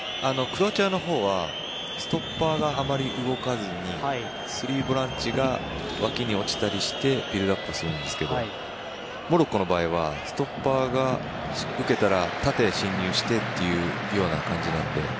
クロアチアのほうはストッパーがあまり動かずに３ボランチが脇に落ちたりしてビルドアップするんですけどモロッコの場合はストッパーが受けたら縦へ進入してっていうような感じなので。